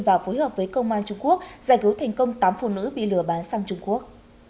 và phối hợp với công an trung quốc giải cứu thành công tám phụ nữ bị lừa bán sang trung quốc